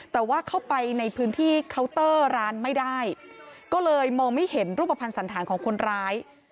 แต่ว่าเข้าไปในพื้นที่เคาน์เตอร์ร้านไม่ได้ก็เลยมองไม่เห็นรูปภัณฑ์สันธารของคนร้าย